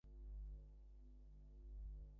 আমি মোটেই রাগ করছি না।